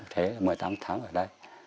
thế mở tháng tháng ở đây